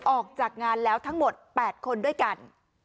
ออกจากงานแล้วทั้งหมด๘คนด้วยกัน